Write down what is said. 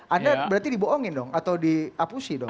anda berarti dibohongin dong atau diapusi dong